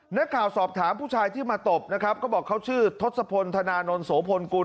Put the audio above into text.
นักข่าวสอบถามผู้ชายที่มาตบนะครับเขาบอกเขาชื่อทศพลธนานนท์โสพลกุล